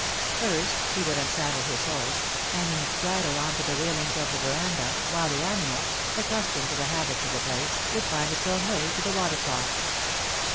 First, he would unsaddle his horse, hanging its bridle on to the railings of the verandah, while the animal, accustomed to the habits of the place, would find its own way to the water trough.